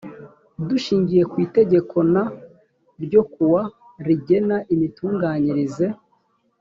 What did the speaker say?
dushingiye ku itegeko n ryo kuwa rigena imitunganyirize